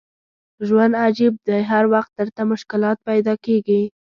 ژوند عجیب دی هر وخت درته مشکلات پیدا کېږي.